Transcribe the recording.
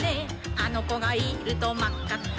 「あのこがいるとまっかっか」